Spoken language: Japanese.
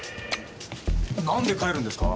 何で帰るんですか？